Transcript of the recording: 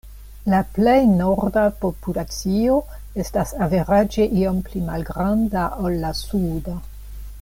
La plej norda populacio estas averaĝe iom pli malgranda ol la suda.